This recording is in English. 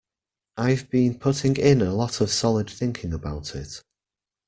I've been putting in a lot of solid thinking about it.